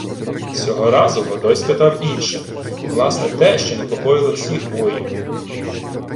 Сього разу Годой спитав інше: власне, те, що непокоїло всіх воїв.